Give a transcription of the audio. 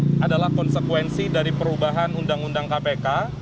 yang pertama adalah konsekuensi dari perubahan undang undang kpk